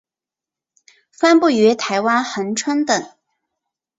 分布于台湾恒春等。